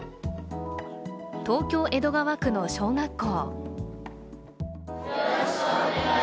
東京・江戸川区の小学校。